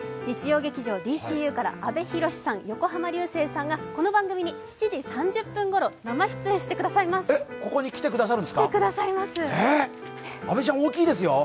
日曜劇場「ＤＣＵ」から阿部寛さん、横浜流星さんがこの番組に７時３０分ごろ、生出演してくださいます。